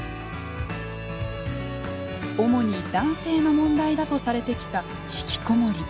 主に男性の問題だとされてきたひきこもり。